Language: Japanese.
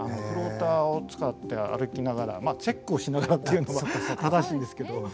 フローターを使って歩きながらまあチェックをしながらっていうのが正しいんですけど。